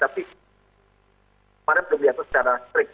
tapi kemarin terlihat secara strikt